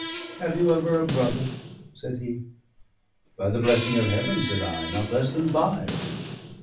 "Have you ever a brother?" said he. "By the blessing of Heaven," said I, "not less than five."